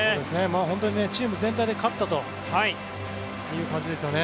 本当にチーム全体で勝ったという感じですね。